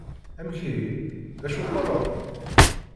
Amek ihi, d acu twalaḍ?